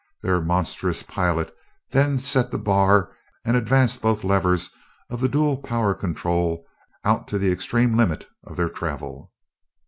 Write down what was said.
Their monstrous pilot then set the bar and advanced both levers of the dual power control out to the extreme limit of their travel.